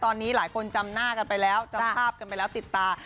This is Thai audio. ตอนนี้หลายคนจำหน้ากันไปแล้วจำภาพกันไปแล้วติดตา